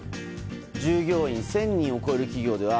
従業員１０００人を超える企業では